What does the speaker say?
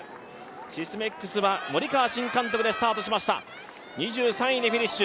シスメックスは森川新監督でスタートしました、２３位でフィニッシュ。